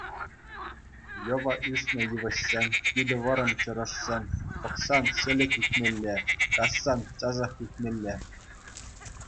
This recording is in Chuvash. Йӑвӑ ӳснӗ йывӑҫсем, питӗ вӑрӑм чӑрӑшсем, пӑхсан — ҫӗлӗк ӳкмелле, кассан — часах ӳкмелле.